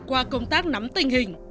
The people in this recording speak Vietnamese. qua công tác nắm tình hình